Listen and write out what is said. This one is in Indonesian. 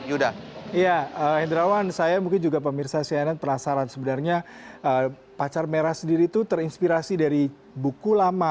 ya hendrawan saya mungkin juga pemirsa cnn penasaran sebenarnya pacar merah sendiri itu terinspirasi dari buku lama